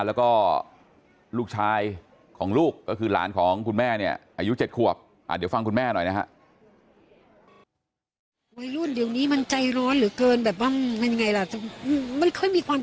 แล้วก็ลูกชายของลูกก็คือหลานของคุณแม่เนี่ยอายุ๗ขวบเดี๋ยวฟังคุณแม่หน่อยนะฮะ